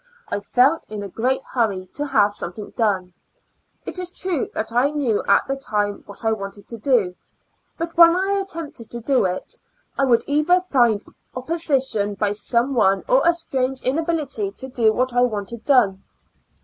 I felt in a great hurry to have something done. It is true that I knew at the time what I wanted to do, but when I attempted to do it, I would either find opposition by some one or a strange inability to do what I wanted done.